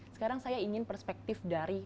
sekarang saya ingin perspektif dari